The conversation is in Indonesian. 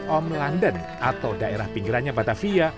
om london atau daerah pinggirannya batavia